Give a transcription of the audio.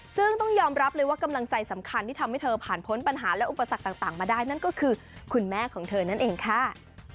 ซึ่งต้องยอมรับเลยว่ากำลังใจสำคัญที่ทำให้เธอผ่านพ้นปัญหาและอุปสรรคต่างมาได้นั่นก็คือคุณแม่ของเธอนั่นเองค่ะ